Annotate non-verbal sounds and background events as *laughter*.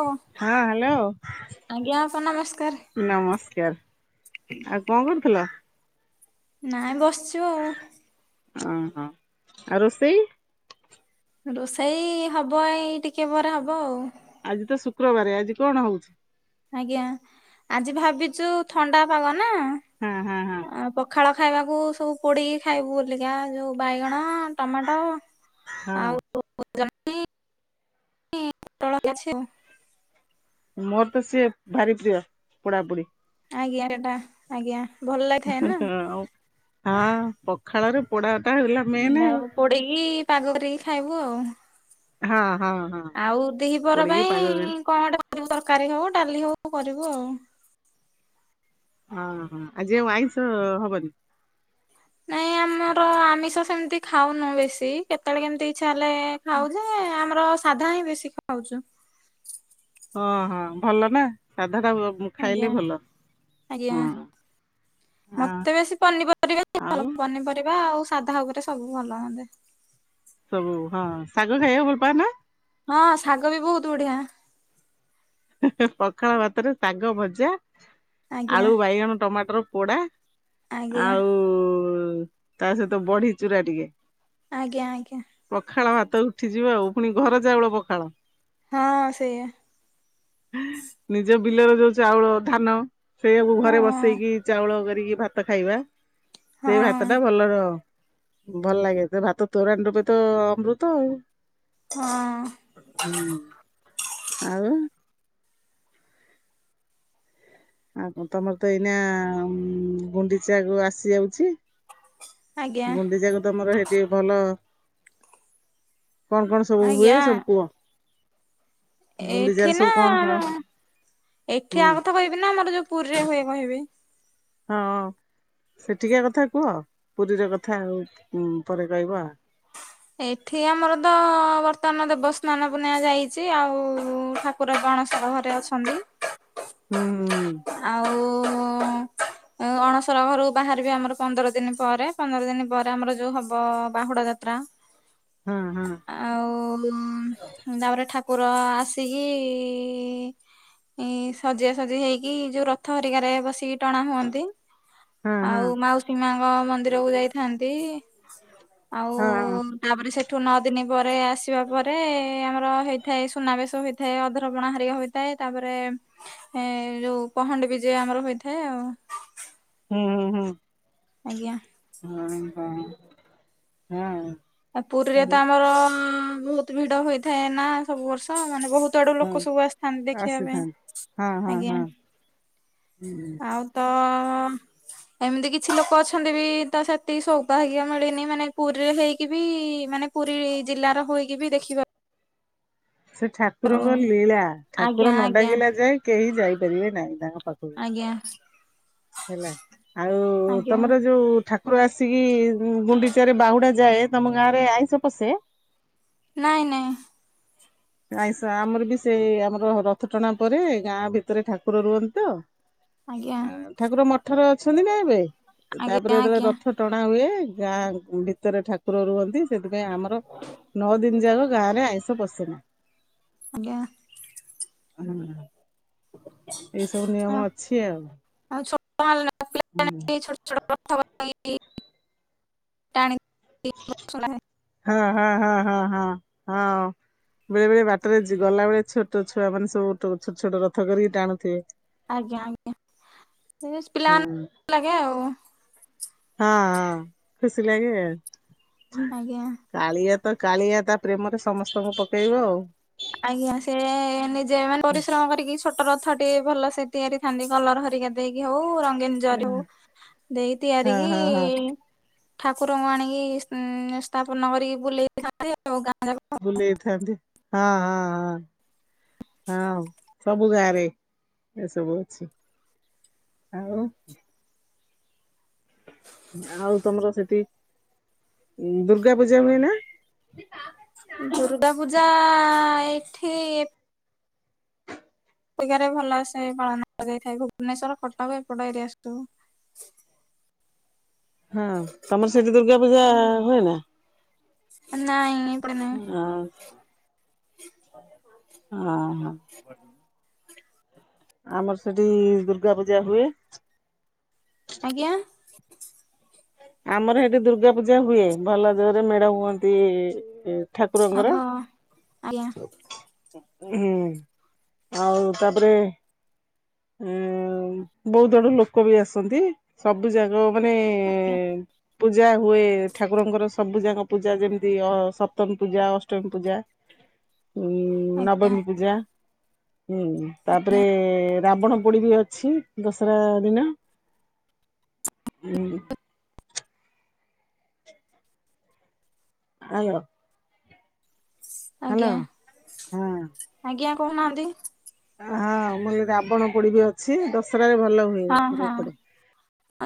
ଓ ହଁ ହ୍ୟାଲୋ। ଆଜ୍ଞା ଅପା ନମସ୍କାର। ନମସ୍କାର ଆଉ କଣ କରୁଥିଲ? ନାଇଁ ବସଛୁ ଆଉ। ଅଁ ହ ଆଉ ରୋଷେଇ? ରୋଷେଇ ହବ ଏଇ ଟିକେ ପରେ ହବ ଆଉ। ଆଜି ତ ଶୁକ୍ରବାର ଆଜି କଣ ହଉଛି। ଆଜ୍ଞା ଆଜି ଭାବିଛୁ ଥଣ୍ଡା ଖାଇବ ହଁ ହଁ ହଁ ନା ପଖାଳ ଖାଇବାକୁ ସବୁ ପୋଡିକି ଖାଇବୁ ବୋଲିକା ଯୋଉ ବାଇଗଣ ଟମାଟୋ ହଁ ଆଉ ଜହ୍ନି। ନି ପୋଟଳ ହେ ଅଛି। ମୋର ତ ସିଏ ଭାରି ପ୍ରିୟ ପୋଡାପୋଡି। ଆଜ୍ଞା ଏଟା ଆଜ୍ଞା। ଭଲ ଲାଗିଥାଏ ନା। ଅ ହଁ ପଖାଳରେ ପୋଡା ଟା ହେଲା ମେନ୍ ଆଉ। ପୋଡିକି ପାଗ କରିକି ଖାଇବୁ ଆଉ। ହଁ ହଁ ହଁ। ଆଉ ଦିହି ପହର ପୋଡିକି ପାଇଁ ପାଗ କରି କଣ ଗୋଟେ କରିବୁ ତରକାରୀ ହଉ ଡାଲି ହଉ କରିବୁ ଆଉ। ଅଁ ହଁ ଆଜି ଆଉ ଆଇଁଷ ହବନି। ନାଇଁ ଆମର ଆମିଷ ସେମିତି ଖାଉନୁ ବେଶୀ କେତେବେଳେ କେମିତି ଇଛା ହେଲେ ଖାଉଛୁ ଆମର ସାଧା ହିଁ ବେଶୀ ଖାଉଛୁ। ହଁ ହଁ ଭଲ ନା ସାଧା ଟା ଆଜ୍ଞା ଖାଇଲେ ଭଲ ଆଜ୍ଞା। ହଁ। ଆ ମତେ ବେଶୀ ପନିପରିବା ଆଉ ଭଲ ପନିପରିବା ଆଉ ସାଧା ଉପରେ ସବୁ ଭଲ ମତେ ସବୁ ହଁ ଶାଗ ଖାଇବାକୁ ଭଲ ପାଅ ନା? ହଁ ଶାଗ ବି ବୋହୁତୁ ବଢିଆ। ହି ହି ପଖାଳ ଭାତରେ ଶାଗ ଭଜା ଆଜ୍ଞା ଆଳୁ ବାଇଗଣ ଟମାଟର ପୋଡା ଆଜ୍ଞା ଆଉ ତା ସହିତ ବଢି ଚୁରା ଟିକେ। ଆଜ୍ଞା ଆଜ୍ଞା। ପଖାଳ ଭାତ ଉଠିଯିବ ଆଉ ଫୁଣି ଘର ଚାଉଳ ପଖାଳ। ହଁ ସେଇଆ ନିଜ ବିଲର ଯୋଉ ଚାଉଳ ଧାନ ସେଇଆକୁ ହଁ ଘରେ ବସେଇକି ଚାଉଳ କରିକି ଭାତ ଖାଇବା ହଁ ସେଇ ଭାତଟା ଭଲର ଭଲ ଲାଗେ ସେ ଭାତ ତୋରାଣି ଟୋପେ ତ ଆମ୍ବୃତ ଆଉ। ହଁ। ହୁଁ ଆଉ ଆଉ କଁ ତମର ତ ଏଇନା ଉଁ ଗୁଣ୍ଡିଚାକୁ ଆସିଯାଉଛି। ଁ *inaudible* ଗୁଣ୍ଡିଚାକୁ ତମର ହେଇଠି ଭଲ କଣ କଣ ସବୁ ହୁଏ ଆଜ୍ଞା। ସବୁ କୁଅ। ଏଇଠେ ନା କଣ କଣ ଏଠି ହୁଁ ଆଉଥ କହିବି ନା ଆମର ଯୋଉ ପୁରୀରେ ହୁଏ କହିବି। ହଁ ସେଠିକା କଥା କୁହ ପୁରୀର କଥା ଉଁ ପରେ କହିବ ଆଉ। ଏଠି ଆମର ତ ବର୍ତ୍ତମାନ ଦେବସ୍ନାନ ପୂର୍ଣ୍ଣିମା ଯାଇଚି ଆଉ ଉଁ ଠା କୁର କଣ ସହରେ ଅଛନ୍ତି। ହୁଁ ହୁଁ। ଆଉ ଉଁ ଏ ଉ ଅଣସର ଘରୁ ବାହାରିବେ ଆମର ପନ୍ଦର ଦିନି ପରେ ପନ୍ଦର ଦିନି ପରେ ଆମର ଯୋଉ ହବ ବାହୁଡା ଯାତ୍ରା। ହଁ ହଁ। ଆଉ ଉଁ ହୁଁ ତାପରେ ଠାକୁର ଆସିକି ଇଁ ସଜିଆ ସଜି ହେଇକି ଯୋଉ ରଥ ହେରିକାରେ ବସିକି ଟଣା ହୁଅନ୍ତି। ହଁ ହଁ ହଁ ଆଉ ହଁ ମାଉସୀ ମାଆଙ୍କ ମନ୍ଦିରକୁ ଯାଇଥାନ୍ତି ଆଉ ହଁ ତାପରେ ସେଠୁ ନଅ ଦିନି ପରେ ଆସିବା ପରେ ଆମର ହେଇଥାଏ ସୁନାବେଶ ହୋଇଥାଏ ଅଧରପଣା ହେରିକା ହୋଇ ତାଏ ତାପରେ ଏ ଯୋଉ ପହଣ୍ଡି ବିଜେ ଆମର ହୋଇଥାଏ ଆଉ। ହୁଁ ହୁଁ। ଆଜ୍ଞା। ହଁ ହଁ। ହଁ। ଆ ପୁରୀରେ ତ ଆମର ଅଁ ବୋହୁତ ଭିଡ ହୋଇଥାଏ ନା ସବୁ ବର୍ଷ ମାନେ ବୋହୁତ ତେ ଆଡୁ ହଁ ଲୋକ ସବୁ ଆସିଥାଆନ୍ତି ଦେଖିଆ ପାଇଁ ଆସିଥାନ୍ତି ହଁ ହଁ ଆଜ୍ଞା ହଁ ହୁଁ ଆଉ ଏମତି କିଛି ଲୋକ ଅଛନ୍ତି ବି ତ ସେତିକି ସୌଭାଗ୍ୟ ମିଳିନି ମାନେ ପୁରୀରେ ହେଇ କି ବି ମାନେ ପୁରୀ ଜିଲ୍ଲାର ହୋଇକି ବି ଦେଖିପା ସେ ଠାକୁରଙ୍କ ଲୀଳା ଆଜ୍ଞା ଠାକୁର ନ ଆଜ୍ଞା ଡାକିଲା ଯାଏ କେହି ଯାଇପାରିବେ ନାଇଁ ତାଙ୍କ ପା ଖୁ ଆଜ୍ଞା। ହେଲା ଆଉ ଆଜ୍ଞା। ତମର ଯୋଉ ଠା କୁର ଆସିକି ଉଁ ଗୁଣ୍ଡିଚାରେ ବାହୁଡା ଯାଏ ତମ ଗାଁରେ ଆଇଁଷ ପଶେ। ନାଇଁ ନାଇଁ। ଆଇଁଷ ଆମର ବି ସେଇ ଆମର ରଥ ଟଣା ପରେ ଗାଁ ଭିତେରେ ଠାକୁର ରୁହନ୍ତି ତ ଆଜ୍ଞା ଆଉ ଠାକୁର ମଠରେ ଅଛନ୍ତି ନା ଏବେ ଏ ଆଜ୍ଞା ତାପରେ ଯେତେବେଳେ ଆଜ୍ଞା ରଥ ଟଣା ହୁଏ ଗାଁ ଭିତେରେ ଠାକୁର ରୁହନ୍ତି ସେଇଥିପାଇଁ ଆମର ନଅ ଦିନ ଯାଗ, ଗାଁ ରେ ଆଇଁଷ ପଶେନି। ଆଜ୍ଞା। ହୁଁ। ଏଇ ସବୁ ନିୟମ ଅଛି ଆଉ। ଆଉ *unintelligible* ନ ଥିଲା। ହୁଁ। ଛୋଟ ଛୋଟ କଥା *inaudible* ଟାଣି *inaudible* ଶୁଣା ହେ ହଁ, ହଁ, ହଁ, ହଁ, ହଁ ହଁଅଁ। ବେଳେ ବେଳେ ବାଟରେ ଜି ଗଲାବେଳେ ଛୋଟ ଛୁଆମାନେ, ସବୁ ଗୋଟ ଛୋ ଛୋଟ ଛୋଟ ରଥ କରିକି ଟାଣୁଥିବେ। ଆଜ୍ଞା, ଆଜ୍ଞା, *unintelligible* ହଁ ପିଲାମାନଙ୍କୁ ଲାଗେ ଆଉ। ହଁ, ହଁ ଖୁସି ଲାଗେ ଆଉ। ଆଜ୍ଞା। କାଳିଆ ତ କାଳିଆ ତା ପ୍ରେମରେ ସମସ୍ତଙ୍କୁ ପକେଇବ ଆଉ। ଆଜ୍ଞା, ସେ-ଏ ନିଜେମାନେ ପରିଶ୍ରମ କରିକି ଛୋଟ ରଥ ଟିଏ, ଭଲ ସେ ତିଆରି ଥାଆନ୍ତି, କଲର ହରିକା ଦେଇକି ହଉ, ରଙ୍ଗୀନ୍ ଜରୁ ଦେଇ ହଁ ହଁ ହଁ ତିଆରିିକି-ଇଁ ଠାକୁରଙ୍କୁ ଆଣିକି ଇଁ ସ୍ଥାପନ କରିକି ବୁଲେଇଥାନ୍ତି ଆଉ, ଗାଁ ଯାକ ବୁଲେଇଥାନ୍ତି, ହଁ ହଁ ହଁ। ହଁ, ସବୁ ଗାଁରେ ଏସବୁ ଅଛି। ଆଉ ଆଉ ତମର ସେଠି ଦୁର୍ଗା ପୂଜା ହୁଏ ନା? ଦୁର୍ଗା ପୂଜା-ଆ-ଆଁ ଏଠି ଏଠିକାରେ ଭଲସେ ପାଳନ କରାଯାଇଥାଏ। ଭୁବନେଶ୍ୱର, କଟକ, ଏପଟ ଏରିଆ ସବୁ। ହଁ, ତମର ସେଠି ଦୁର୍ଗା ପୂଜା ହଏ ନା? ନାଇଁ। ଏପଟେ ନାଇଁ ହଁ, ହଁ ହ। ଆମର ସେଠି-ଇ ଦୁର୍ଗା ପୂଜା ହୁଏ। ଆଜ୍ଞା। ଆମର ହେଠି ଦୁର୍ଗା ପୂଜା ହୁଏ। ଭଲ ଯୋରେ ମେଢ ହୁଅନ୍ତି-ଇ ଠାକୁରଙ୍କର। ଓହୋ ଆଜ୍ଞା। ହୁଁ, ଆଉ ତା'ପରେ ଏଁ ବହୁତ ଆଡୁ ଲୋକ ବି ଆସନ୍ତି। ସବୁ ଜାଗ ମାନେ-ଏଁ ପୂଜା ହୁଏ, ଠାକୁରଙ୍କର ସବୁ ଯାକ ପୂଜା ଯେମିତି ଅ ସପ୍ତମୀ ପୂଜା, ଅଷ୍ଟମୀ ପୂଜା, ହୁଁ, ଆଜ୍ଞା ନବମୀ ପୂଜା ହୁଁ, ତା'ପରେ ରାବଣ ପୋଡି ବି ଅଛି, ଦଶରା ଦିନ ଉଁ ଆୟ ଆଜ୍ଞା, ହଁ ଆଜ୍ଞା କହୁନାହାଁନ୍ତି! ହଁ, ମୁଁ କଲି ରାବଣ ପୋଡି ବି ଅଛି, ଦଶରାରେ ଭଲ ହୁଏ। ହଁ ହଁ ଏପଡେ